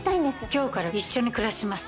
今日から一緒に暮らします